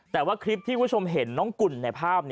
แต่ว่าคลิปที่คุณผู้ชมเห็นน้องกุ่นในภาพ